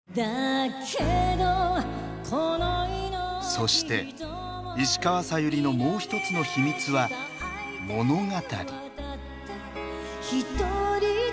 そして石川さゆりのもうひとつの秘密は「物語」。